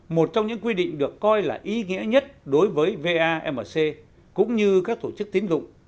một trong những quy định được coi là ý nghĩa nhất đối với vamc cũng như các tổ chức tín dụng